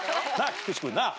菊池君なっ？